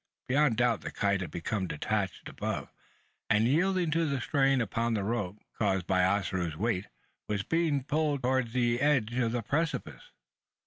Beyond doubt the kite had become detached above; and, yielding to the strain upon the rope, caused by Ossaroo's weighty was being pulled towards the edge of the precipice!